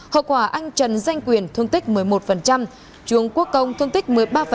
hậu quả anh trần danh quyền thương tích một mươi một trường quốc công thương tích một mươi ba